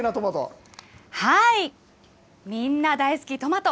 みんな大好き、トマト。